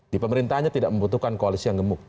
di pemerintahnya tidak membutuhkan koalisi yang gemuk